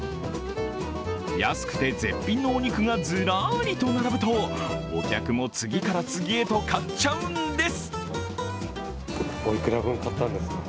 安くて絶品のお肉がずらりと並ぶと、お客も次から次へと買っちゃうんです！